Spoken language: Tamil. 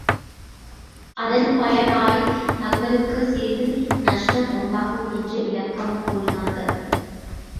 அதன் பயனாய்த் தங்களுக்குச் சிறிது நஷ்டம் உண்டாகும் என்று விளக்கம் கூறினார்கள்.